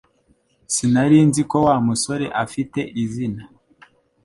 Sinari nzi ko Wa musore afite izina